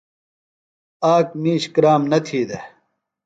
آک مِیش کرام نہ تھی دےۡ۔